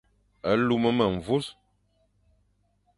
Luma memvur,